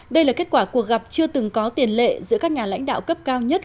đây là kết quả cuộc gặp chưa từng có tiền lệ giữa các nhà lãnh đạo cấp cao nhất